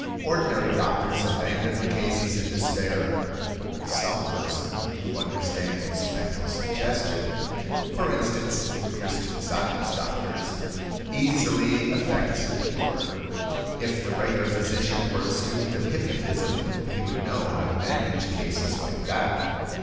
Ordinary doctors abandon the cases in despair, but some person who understands "mental suggestion" (for instance, the Christian Science doctors) easily effects a cure. If the regular physician were a student of hypnotism he would know how to manage cases like that.